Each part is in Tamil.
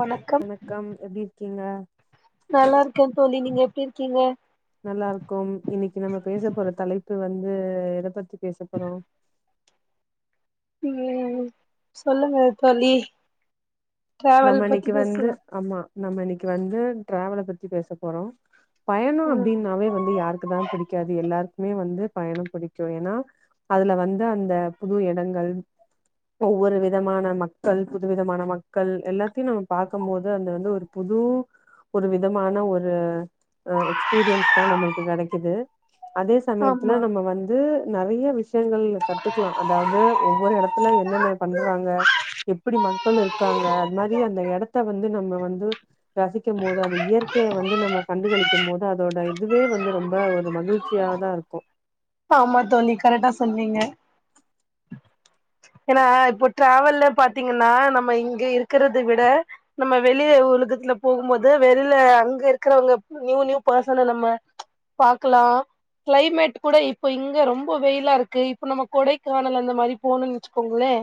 வணக்கம் கம் எப்டி இருக்கீங்க நல்லாருக்கே தோழி நீங்க எப்டிருக்கீங்க நல்லாருக்கோம் இன்னக்கி நம்ம பேச போற தலைப்பு வந்து எத பத்தி பேச போறோ [unintelligible] சொல்லுங்க தோழி டிராவல் நம்ம பத்தி இன்னைக்கு வந்து பேசலா அம்மா நம்ம இன்னைக்கு வந்து டிராவல பத்தி பேச போறோ பயணொ ம் அப்டின்னாவே வந்து யாருக்கு தா பிடிக்காது எல்லாருக் குமே வந்து பயணம் புடிக்கு ஏன்னா அதுல வந்த அந்த புது எடங்கள் ஒவ்வொரு விதமான மக்கள் புது விதமான மக் கள் எல்லாத்தையு நம்ம பாக்கம் போது அந்த வந்து ஒரு புது ஒரு விதமான ஒரு எக்ஸ்பீரியன்ஸ் தா நம்மளுக்கு கெடைக்குது அதே சமயத்ல ஆமா நம்ம வந் ந்து நெறைய விஷயங்கள் கத்துக்லா அதாவது ஒவ்வொரு எடத்துல என்னன்ன பண்றாங்க எப்புடி மக்கள் இருக்காங்க அது மாரி அந்த எடத்த வந்து நம்ம வந்து ரசிக்கம் போது அந்த இயற் தேய வந்து நம்ம கண்டுகளிக்கும் போது அதோட இதுவே வந்து ரொம்ப ஒரு மகிழ்ச்சியா தா இருக்கு ஆமா தோழி கரெக்டா சொன்னீங்க ஏனா இப்போ டிராவல்ல பாத்தீங்கனா நம்ம இங்க இருக்கறத விட நம்ம வெளிய உலகத்துல போகும் போது வெளியில அங்க இருக்கிறவங்க நியூ நியூ பர்சன்ன நம்ம பாக்கலா கிளைமேட் கூட இப் இப்ப இங்க ரொம்ப வெயிலா இருக்கு இப்ப நம்ம கொடைக்கானல் அந்த மாரி போணோன் வச்சுக்கோங்களே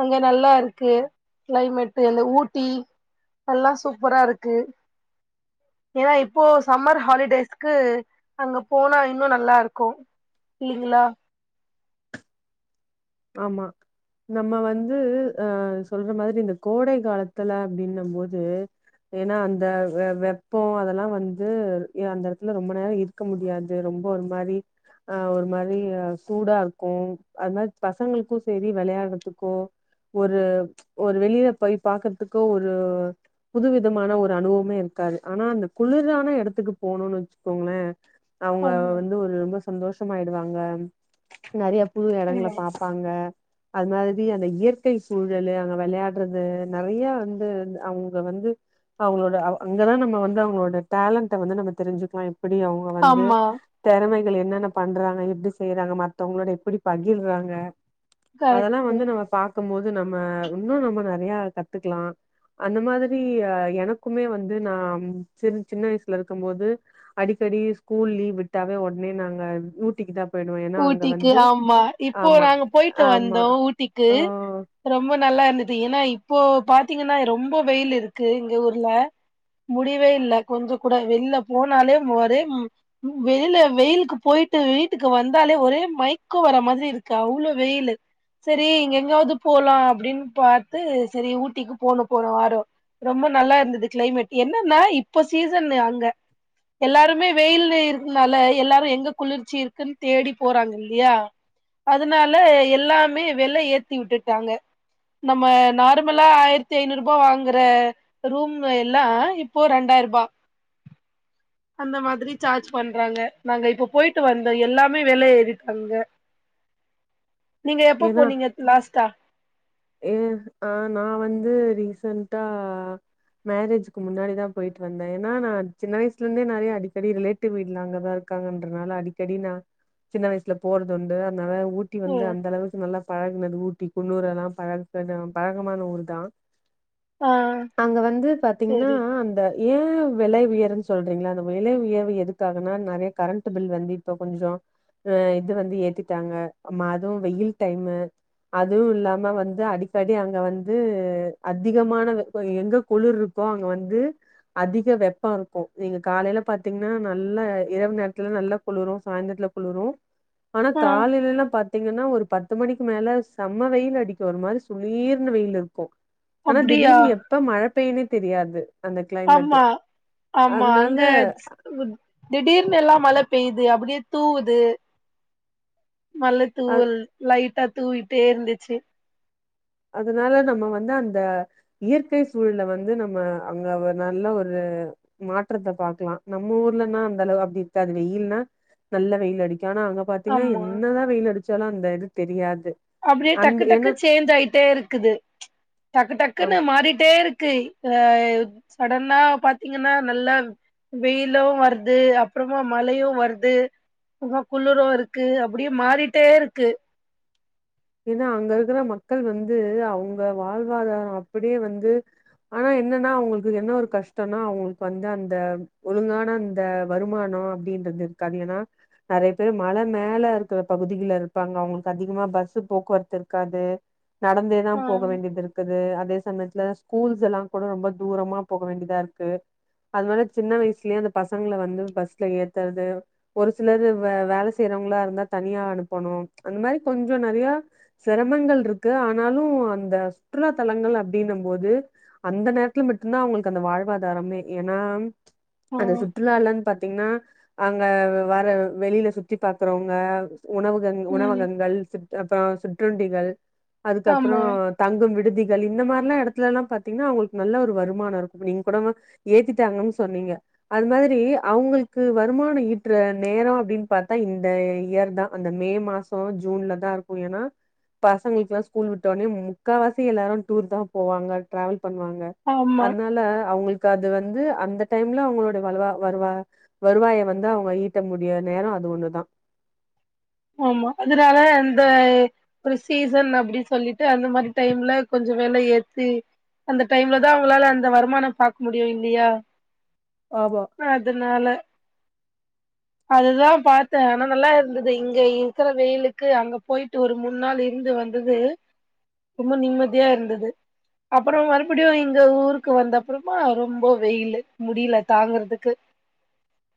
அங்க நல்லா இருக்கு கிளைமேட் அந்த ஊட்டி நல்லா சூப்பரா இருக்கு ஏன்னா இப்போ சம்மர் ஹாலிடேஸ்க்கு அங்க போனா இன்னொ நல்லா இருக்கு இல்லிங்ளா ஆமா நம்ம வந்து அ சொல்ற மாதிரி இந்த கோடை காலத்துல அப்டின்ன போது ஏனா அந்த வெ வெப்பொ அதெல்லா வந்து ஏ அந்த எடத்துல ரொம்ப நேரொ இரு இருக்க முடியாது ரொம்ப ஒரு மாரி அ ஒரு மாரி சூடா இருக்கு அது மாரி பசங்களுக்கு சேரி வெளையாட்றத்துக்கோ ஒரு ஒரு வெளியில போய் பாக்குறதுக்கு ஒரு புதுவிதமான ஒரு அனுவொவமே இருக்காது ஆனா அந்த குளுரான எடத்துக்கு போணோனு வச்சுக்கோங்களே அவங்க ஆமா வந்து ஒரு ரொம்ப சந்தோஷமாயிடுவாங்க நெறைய புது எடங்ள ஆமா வாங்க அது மாதிரி அந்த இயற்கை சூழலு அங்க வெளையாட்றது நெறைய வந்து அவுங்க வந்து அவுங்களோட அ அங்கதா நம்ம வந்து அவுங்களோட டேலண்ட வந்து நம்ம தெருஞ்சுக்லா எப்புடி அவுங் இப்போ வந்து ஆமா தெறமைகள் என்னென்ன பண்றாங்க எப்டி செய்றாங்க மத்தவங்களோட எப்பிடி பகிர்றாங்க [unintelligible] அதல்லா கரெக்ட்டு வந்து நம்ம பாக்கும்போது நம்ம இன்னொ நம்ம நெறையா கத்துக்கலா அந்த மாதிரி அ எனக்குமே வந்து நா சின் சின்ன வயசுல இருக்கும் போது அடிக்கடி ஸ்கூல் லீவ் விட்டாவே ஒடனே நாங்க ஊட்டிக்கு தா போயிடுவோ ஏன்னா அங்க ஊட்டிக்கு வந்து ஆமா இப்போ ஆமா நாங்க போயிட்டு ஆமா வந்தோ ஊட்டிக்கு ஆ ரொம்ப நல்லா இருந்தது ஏனா இப்போ பாத்தீங்கனா ரொம்ப வெயில் இருக்கு இங்க ஊர்ல முடிவே இல்ல கொஞ்ச கூட வெள்ல போனாலே மோரே ம் வெளில வெயிலுக்கு போயிட்டு வீட்டுக்கு வந் வந்தாலே ஒரே மய்க்கோ வர மாதுரி இருக்கு அவ்ளோ வெயிலு செரி இங்க எங்கயாவ்து போலா அப்டின்னு பாத்து செரி ஊட்டிக்கு போனோ போனவாரொ ரொம்ப நல்லா இருந்தது கிளைமேட் என்னன்னா இப்ப சீசன் அங்க எல்லாருமே வெயில்ல இருக்குனுல எல்லாரு எங்க குளிர்ச்சி இருக்குன் தேடி போறாங்க இல்லையா அதுனால எல்லாமே வெல ஏத்தி விட்டுட்டாங்க நம்ம நார்மலா ஆயிரத்தி ஐநூறு ரூபா வாங்கற ரூம் எல்லா இப்போ ரெண்டாய் ரூபா அந்த மாதிரி சார்ஜ் பண்றாங்க நாங்க இப்ப போயிட்டு வந்தோ எல்லா மே வில ஏறிட்டு அங்க நீங்க எப்ப ஏன்னா போனீங்க லாஸ்டா ஏ ஆ நா வந்து ரீசன்ட்டா மேரேஜ்க்கு முன்னாடிதா போயிட்டு வந்தே ஏன்னா நா சின்ன வயசுல இருந்தே நிறைய அடிக்கடி ரிலேட் சித்தி வீட்ல அங்கதா இருக்காங்கன்றனால அடிக்கடி நா சின்ன வயசுல போறதுண்டு அதனால ஊட்டி ஓ வந்து அந்த அளவுக்கு நல்லா பழகுனது ஊட்டி குன்னூர் எல்லா பழகு பழக்கமான ஊர் தா ஆ அங்க வந்து பாத்தீங்கன்னா சேரி அந்த ஏ விலை உயர்ன்னு சொல்றீங்களா அந்த விலை உயர்வு எதுக்காகனா நிறைய கரண்ட் பில் வந்து இப்போ கொஞ்சோ அ இது வந்து ஏத்திட்டாங்க ம் அதுவு வெயில் டைமு அதுவு இல்லாம வந்து அடிக்கடி அங்க வந்து அதிகமான வெப்பம் எங்ககுளிரு இருக் இப்போ அங்க வந்து அதிகோ வெப்பம் இருக்கும் நீங்க காலையில பாத்தீங்கன்னா நல்லா இரவு நேரத்துல நல்லா குளுரு சாயந்திரத்துல குளுரு ஆனா ஆ காலைலல்லா பாத்தீங்கன்னா ஒரு பத் பத்து மணிக்கு மேல செம்ம வெயில் அடிக்கு ஒரு மாரி சுளிர்ணு வெயில் இருக்கு ஆனா அப்டியா திடீனு எப்ப மழ பெய்யுனே தெரியாது அந்த கிளைமேட்டு ஆமா ஆமா அதனால அங்க திடீர்னு எல்லா மழை பெய்யிது அப்படியே தூவுது மழ அ தூவல் லைட்டா தூரிட்டே இருந்துச்சி அதுனால நம்ம வந்து அந்த இயற்கை சூழல்ல வந்து நம்ம அங்க ஒரு நல்ல ஒரு மாற்றத்த பாக்கலா நம்ம ஊர்லனா அந்த அளவு அப்படி இருக்காது வெயில்ன்னா நல்லா வெயில் அடிக்கு ஆனா அங்க பாத்தீங்கன்னா ஆமா என்னதா வெயில் அடிச்சாலு அந்த இது தெரியாது அப்படியே அந்த டக்கு டக்கு ஏன்னா சேஞ்ச் ஆயிட்டே இருக்குது டக்கு டக்குன்னு ஆமா மாறிட்டே இருக்கு இப்ப சடனா பாத்தீங்கன்னா நல்லா வெயிலு வருது அப்புறமா மழையு வருது உள்ள குளுரு இருக்கு அப்படியே மாறிட்டே இருக்கு ஏன்னா அங்க இருக்கிற மக்கள் வந்து அவுங்க வாழ்வாதாரோ அப்படியே வந்து ஆனா என்னென்ன அவுங்களுக்கு என்ன ஒரு கஷ்டம்னா அவுங்களுக்கு வந்து அந்த ஒழுங்கான அந்த வருமானோ அப்டின்றது கடியனா நிறைய பேர் மலை மேல இருக்கிற பகுதிகள்ல இருப்பாங்க அவங்களுக்கு அதிகமா பஸ்சு போக்குவரத்து இருக்காது நடந்தேதா ஆ போக வேண்டியது இருக்குது அதே சில சமயத்துல ஸ்கூல்ஸ் எல்லா கூட ரொம்ப தூரமா போக வேண்டியதா இருக்கு அதனால சின்ன வயசுலயே அந்த பசங்கள வந்து பஸ்ல ஏத்தறது ஒரு சிலர் வே வேல செய்யறவங்களா இருந்தா தனியா அனுப்பணு அந்த மாரி கொஞ்சோ நறையா சிரமங்கள் இருக்கு ஆனாலு அந்த சுற்றுலா தலங்கள் அப்படின்னம் போது அந்த நேரத்துல மட்டும்தா அவுங்களுக்கு அந்த வாழ்வாதாரமே ஏன்னா ஆ அந்த சுற்றுலாலன்னு பாத்தீங்கன்னா அங்க வர வெளியில சுத்தி பாக்கறவங்க உணவுக ம் உணவகங்கள் அப்றோ சிற்றுண்டிகள் அதுக்கப்றோ ஆமா தங்கும் விடுதிகள் இந்த மாரிலா இடத்துல எல்லா பாத்தீங்கன்னா அவங்களுக்கு நல்ல ஒரு வருமானோ இருக்கு நீங்க கூட ஏத்திட்டாங்கன்னு சொன்னீங்க அது மாரி அவங்களுக்கு வருமானோ ஈற்ற நேரோ அப்டின்னு பாத்தா இந்த இயர் தா அந்த மே மாசோ ஜூன்ல தா இருக்கு ஏன்னா பசங்களுக்கு எல்லா ஸ்கூல் விட்டோ ஒன்னே முக்கால்வாசி எல்லாரு டூர் தா போவாங்க ட்ராவல் பண்ணுவாங்க ஆமா அதனால அவுங்களுக்கு அது வந்து அந்த டைம்ல அவுங்களோடைய வழ்வா வருவா வருவாய வந்து அவங்க ஈட்ட முடியா நேரம் அது ஒன்னுதா ஆமா அதனால அந்த ஒரு சீசன் அப்டி சொல்லிட்டு அந்த மாரி டைம்ல கொஞ்சோ வெல ஏத்தி அந்த டைம்ல தா அவங்களால அந்த வருமான பாக்க முடியு இல்லியா ஆமா அதுனால அதுதா பாத்த ஆனா நல்லா இருந்துது இங்க இருக்குற வெயிலுக்கு அங்க போய்ட்டு ஒரு மூண் நாள் இருந்து வந்தது ரொம்ப நிம்மதியா இருந்தது அப்பறோ மறுபடியு இங்க ஊருக்கு வந்த அப்றமா ரொம்ப வெயிலு முடில தாங்குறதுக்கு [inaudible]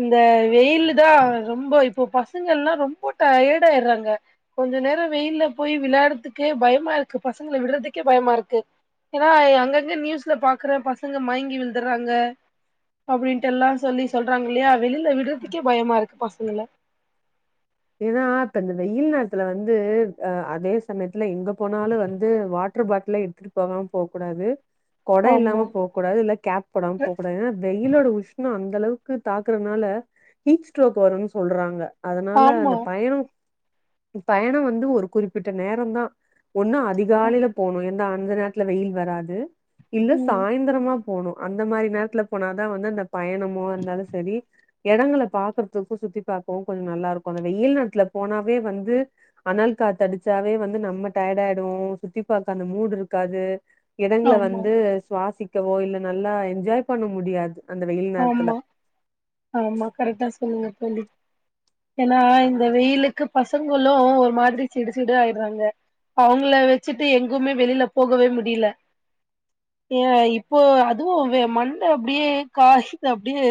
இந்த வெயிலு தா ரொம்ப இப்போ பசங்கள்லா ரொம்ப டயர்ட் ஆய்ர்றாங்க கொஞ்சோ நேரோ வெயில்ல போயி விளாட்றதுக்கே பயமா இருக்கு பசங்கள விட்றதுக்கே பயமா இருக்கு ஏனா அங்கங்க நியூஸ்ல பாக்குற பசங்க மயங்கி விழுந்துர்றாங்க அப்டின்ட்டெல்லா சொல்லி சொல்றாங்களே வெளில விட்றதுக்கே பயமா இருக்கு பசங்கள ஏனா இப்ப இந்த வெயில் நேரத்துல வந்து அதே சமயத்துல எங்க போனாலு வந்து வாட்டர் பாட்ல எடுத்துட்டு போகாம போ கூடாது கொட இல்லாம ஆமா போ போ கூடாது இல்ல கேப் போடாம போ கூடாது ஏன்னா வெயிலோட உஷ்ணோ அந்த அளவுக்கு தாக்குறனால ஹீட் ஸ்ட்ரோக் வருன் சொல்றாங்க அதனால ஆமா அந்த பயணோ பயணோ வந்து ஒரு குறிப்பிட்ட நேரோந்தா ஒன்னு அதிகாலையில போணு ஏனா அந்த நேரத்ல வெயில் வராது இல்ல ம் சாய்ந்தரமா போணு அந்த மாரி நேரத்துல போனாதா வந்து அந்த பயணமோ இருந்தாலு சரி எடங்கள பாக்கறதுக்கு சுத்தி பாக்கவு கொஞ்சோ நல்லாருக்கு அந்த வெயில் நேரத்ல போனாவே வந்து அனல் காத்தடிச்சாவே வந்து நம்ம டயர்டு ஆய்டுவோ சுத்தி பாக்க அந்த மூடு இருக்காது எடங்கள ஆமா வந்து சுவாசிக்கவோ இல்ல நல்லா என்ஜாய் பண்ண முடியாது அந்த வெயில் நேரத்துல ஆமா ஆமா கரெக்டா சொன்னீங்க தோழி ஏனா இந்த வெயிலுக்கு பசங்களு ஒரு மாரி சிடு சிடு ஆய்ட்றாங்க அவங்கள வச்சிட்டு எங்குமே வெளில போகவே முடில ஏன் இப்போ அதுவு மண்ட அப்டியே காய்து அப்டியே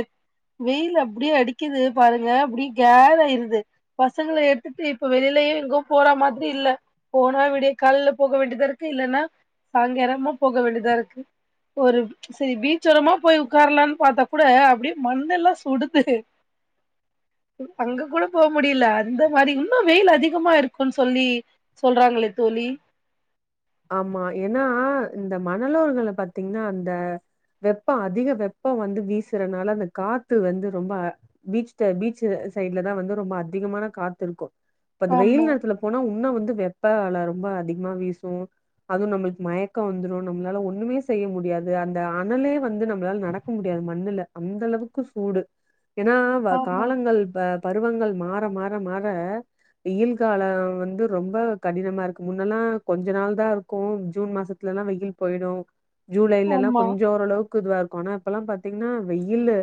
வெயில் அப்டியே அடிக்குது பாருங்க அப்டி கேர் ஆயிருது பசங்கள எடுத்துட்டு இப்ப வெளிலயே எங்கு போற மாரி இல்ல போனா விடிய கால்ல போக வேண்டிதா இருக்கு இல்லன்னா சாயங்காலமா போக வேண்டிதா இருக்கு ஒரு செரி பீச்சோரமா போய் உக்காரலானு பாத்தா கூட அப்டியே மண்ணெல்லா சுடுது அங்க கூட போ முடில அந்த மாரி இன்னு வெயில் அதிகமா இருக்குன் சொல்லி சொல்றாங்களே தோழி ஆமா ஏனா இந்த மணலோரங்கல பாத்தீங்கனா அந்த வெப்ப அதிக வெப்ப வந்து வீசறனால அந்த காத்து வந்து ரொம்ப பீச்ட பீச் சைட்ல தா வந்து ரொம்ப அதிகமான காத்துருக்கு இப்ப அந்த வெயில் ஆமா நேரத்துல போனா உன்னோ வந்து வெப்ப அல ரொம்ப அதிகமா வீசு அதுவு நம்ளுக்கு மயக்கோ வந்துரு நம்ளால ஒன்னுமே செய்ய முடியாது அந்த அனலே வந்து நம்மளால நடக்க முடியாது மண்ணுல அந்த அளவுக்கு சூடு ஏனா வ ஆமா காலங்கள் வ பருவங்கள் மாற மாற மாற வெயில் காலோ வந்து ரொம்ப கடினமா இருக்கு முன்னெல்லா கொஞ்சோ நாள் சூப்பரா இருக்கு ஜூன் மாசத்துலல்லா வெயில் போய்டு ஜூலைலல்லா ஆமா கொஞ்சோ ஓரளவுக்கு க்குதுவா இருக்கு ஆனா இப்பல்லா பாத்தீங்கனா வெயிலு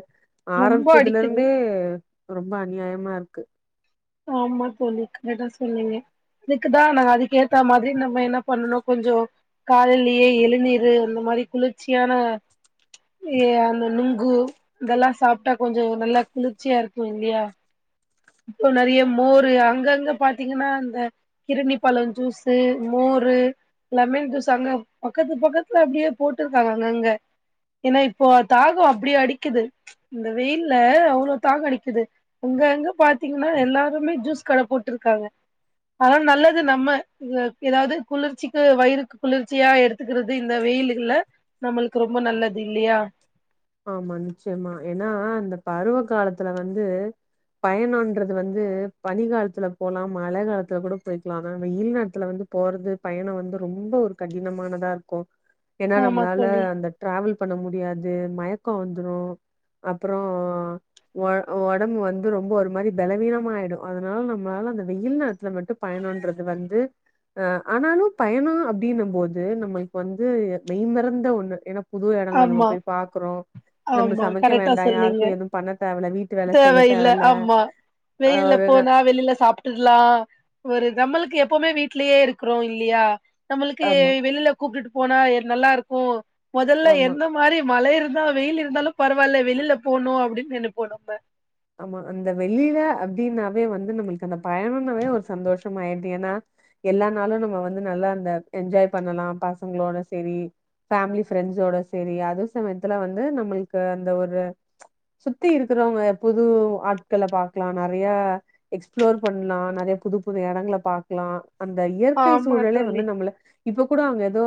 ரொம்ப ஆரம்மிச்சதுல அடிக்குது இருந்தே ரொம்ப அநியாயமா இருக்கு ஆமா தோழி கரெட்டா சொன்னீங்க இதுக்குதா நா அதுக்கு ஏத்தா மாரி நம்ம என்ன பண்ணணு கொஞ்சோ காலையிலயே எழுநீரு இந்த மாரி குளிர்ச்சியான ஏ அந்த நுங்கு இதெல்லாம் சாப்ட்டா கொஞ்ஜோம் நல்லா குளிர்ச்சியா இருக்கும் இல்லையா இப்ப நறைய மோரு அங்கங்க பாத்தீங்கன்னா இந்த கிருணி பழொ ஜூஸு மோரு லெமன் ஜூஸ் அங்க பக்கத்து பக்கத்துல அப்டியே போட்ருக்காங்க அங்க அங்க ஏன்னா இப்போ தாகம் அப்டி அடிக்குது இந்த வெயில்ல அவ்வளோ தாக அடிக்குது உங்க அங்க பாத் பாத்தீங்கன்னா எல்லாருமே ஜூஸ் கட போட்டுருக்காங்க அதாம் நல்லது நம்ப எதாவது குளிர்ச்சிக்கு வயிறுக்கு குளிர்ச்சியா எடுத்துக்கிறது இந்த வெயிலுல நம்மளுக்கு ரொம்ப நல்லது இல்லையா ஆமா நிச்சயமா ஏன்னா அந்த பருவ காலத்துல வந்து பயனான்றது வந்து பனி காலத்துல போலாம் மழ காலத்துல கூட போய்கலாம் ஆன வெயில் நேரத்துல வந்து போறது பயணம் வந்து ரொம்ப ஒரு கடினமானதா இருக்கும் ஏன்னா ஆமா நம்மளால தோழி அந்த ட்ராவல் பண்ண முடியாது மயக்கம் வந்துடும் அப்புறொ ஒ ஒடம்பு வந்து ரொம்ப ஒரு மாரி பலவீனமா ஆயிடு அதனால நம்மளால அந்த வெயில் நேரத்துல மட்டும் பயனோன்றது வந்து அ ஆனாலு பயணம் அப்டின்னு போது நம்மளுக்கு வந்து மெய்மறந்த ஒன்னு ஏன்னா புது இடங்கள நம்ப ஆமா போய் பாக்குறோம் நம்ம ஆமா சமைக்க கரெக்டா வேண்டா சொன்னீங்க யாருக்கும் எதுவு பண்ண தேவல்ல வீட்டு வேல செய்ய தேவல்ல வெளியில போனா வெளில சாப் யில்லா ஒரு நம்மளுக்கு எப்பவுமே வீட்லயே இருக்குறோ இல்லையா நம்மளுக்கு ஆமா வெளியில கூப்டுட்டு போனா என்னல்லா இருக்கு இதல்லா ஆமா எந்த மாரி மழ இருந்தா வெயில் இருந்தாலு பரவாயில்ல வெளியில போணு அப்டின்னு நெனைப்போ நம்ம ஆமா அந்த வெளியில அப்டின்னாவே வந்து நம்மளுக்கு அந்த பயணம்னாவே ஒரு சந்தோஷம் ஆயிடுது ஏன்னா எல்லா நாளும் நம்ம வந்து நல்லா அந்த என்ஜாய் பண்ணலா பசங்களோட சேரி ஃபேமிலி ஃப்ரெண்ட்ஸோட சேரி அது சமயத்துல வந்து நம்மளுக்கு அந்த ஒரு சுத்தி இருக்கிறவங்க எப்போதும் ஆட்களை பாக்கலா நெறையா எக்ஸ்பிளோர் பண்லா நறையா புது புது எடங்கல பாக்கலா அந்த இயற்கை ஆமா சூழலே தோழி வந்து நம்மள இப்ப கூட அங்க ஏதோ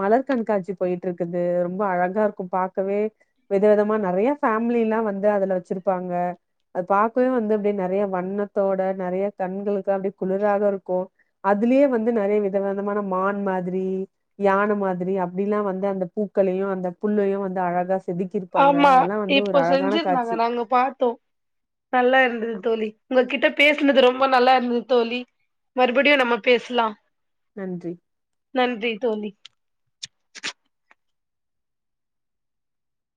மலர் கண்காட்சி போயிட்டு இருக்குது ரொம்ப அழகா இருக்கும் பாக்கவே வித விதமா நறைய பேஃபேமிலிலாம் வந்து அதுல வச்சிருக்கு இருப்பாங்க அது பாக்கவே வந்து அப்டியே நறையா வண்ணத்தோட நறையா கண்களுக்கு அப்படி குளிராதா இருக்கும் அதுலயே வந்து நெறைய வித விதமான மான் மாதிரி யானை மாதிரி அப்டில்லா வந்து அந்த பூக்களையு அந்த புல்லையு வந்து அழகா செதுக்கி ஆமா இப்போ செஞ்சிருந்தாங்க நாங்க பாத்தோ நல்லா இருந்தது தோழி உங்ககிட்ட பேசுனது ரொம்ப நல்லா இருந்தது தோழி மறுபடியும் நம்ப பேசுலாம் நன்றி நன்றி தோழி